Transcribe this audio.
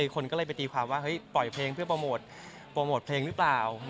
คนก็เลยไปตีความว่าเฮ้ยปล่อยเพลงเพื่อโปรโมทโปรโมทเพลงหรือเปล่า